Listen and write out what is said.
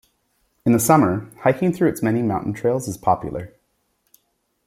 In the summer, hiking through its many mountain trails is popular.